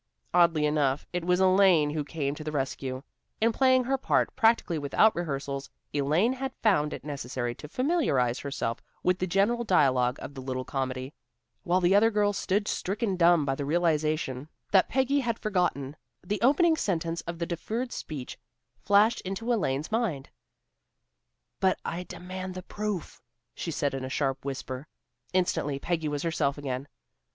Oddly enough, it was Elaine who came to the rescue. In playing her part, practically without rehearsals, Elaine had found it necessary to familiarize herself with the general dialogue of the little comedy. While the other girls stood stricken dumb by the realization that Peggy had forgotten, the opening sentence of the deferred speech flashed into Elaine's mind. "'But I demand the proof,'" she said in a sharp whisper. Instantly Peggy was herself again.